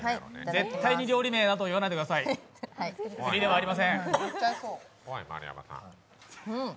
絶対に料理名などを言わないでくださいフリではありません。